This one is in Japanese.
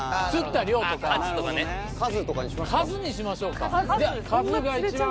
数にしましょうか。